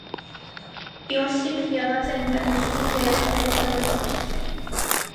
Իոսիֆ եղած է ընտանիքի հինգ երեխաներէն ամէնակրտսերը։